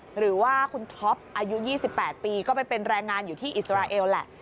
หรือว่าคุณท็อปอายุ๒๘ปีก็ไปเป็นแรงงานอยู่ที่อิสราเอลแหละ